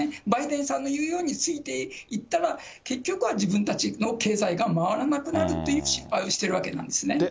バイデンさんの言うようについていったら、結局は自分たちの経済が回らなくなるっていう心配をしているわけなんですね。